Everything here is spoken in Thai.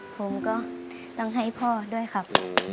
ผมก็ต้องให้พ่อด้วยครับ